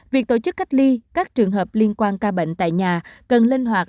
việc tổ chức cách ly các trường hợp liên quan ca bệnh tại nhà cần linh hoạt